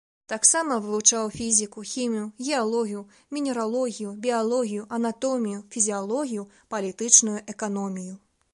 Таксама вывучаў фізіку, хімію, геалогію, мінералогію, біялогію, анатомію, фізіялогію, палітычную эканомію.